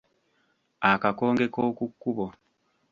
Akakonge k’oku kkubo.